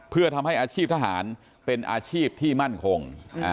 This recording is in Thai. เพื่อทำให้อาชีพทหารเป็นอาชีพที่มั่นคง